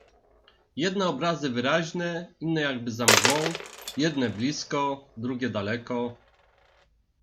Jedne obrazy wyraźne, inne jakby za mgłą, jedne blisko, drugie daleko.